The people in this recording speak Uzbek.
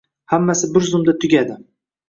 Hammasi bir zumda tugadi